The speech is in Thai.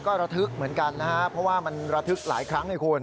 ก็ระทึกเหมือนกันนะครับเพราะว่ามันระทึกหลายครั้งให้คุณ